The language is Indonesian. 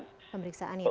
pemeriksaan ya pak